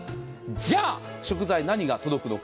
じゃあ食材、何が届くのか。